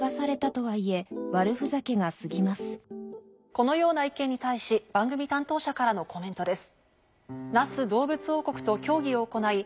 このような意見に対し番組担当者からのコメントです。